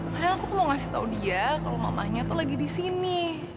padahal aku tuh mau ngasih tau dia kalau mamanya tuh lagi di sini